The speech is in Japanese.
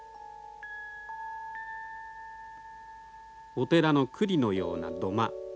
お寺の庫裏のような土間。